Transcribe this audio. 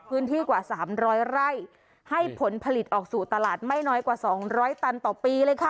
พื้นที่กว่า๓๐๐ไร่ให้ผลผลิตออกสู่ตลาดไม่น้อยกว่า๒๐๐ตันต่อปีเลยค่ะ